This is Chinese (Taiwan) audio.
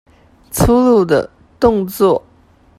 粗魯的動作